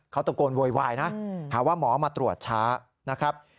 เขาตะโกนโวยวายนะหาว่าหมอมาตรวจช้านะครับ